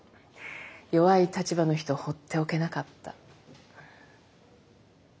弱い立場の人放っておけなかった。